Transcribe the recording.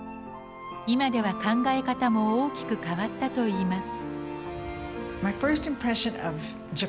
今では考え方も大きく変わったといいます。